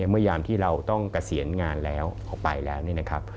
ยามที่เราต้องเกษียณงานแล้วออกไปแล้วเนี่ยนะครับ